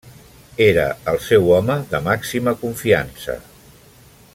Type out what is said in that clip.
Era el seu home de màxima confiança.